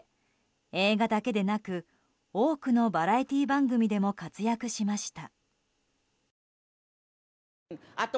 映画だけでなく多くのバラエティー番組でも活躍しました。